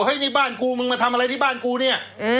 เฮ้ยในบ้านกูมึงมาทำอะไรในบ้านกูนี่